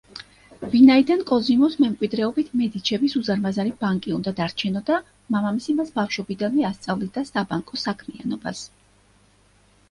ვინაიდან კოზიმოს მემკვიდრეობით მედიჩების უზარმაზარი ბანკი უნდა დარჩენოდა, მამამისი მას ბავშვობიდანვე ასწავლიდა საბანკო საქმიანობას.